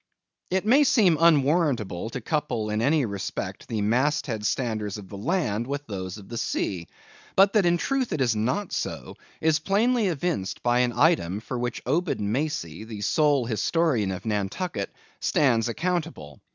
It may seem unwarrantable to couple in any respect the mast head standers of the land with those of the sea; but that in truth it is not so, is plainly evinced by an item for which Obed Macy, the sole historian of Nantucket, stands accountable.